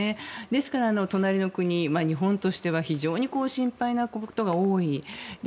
ですから隣の国、日本としては非常に心配なことが多い。